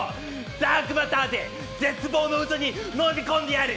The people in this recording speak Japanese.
ダークマターで絶望の渦に飲み込んでやる。